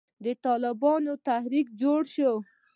د طالبانو تحريک جوړ سو.